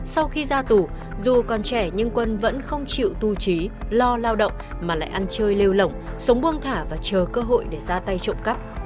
sau khi ra tù dù còn trẻ nhưng quân vẫn không chịu tu trí lo lao động mà lại ăn chơi lêu lỏng sống buông thả và chờ cơ hội để ra tay trộm cắp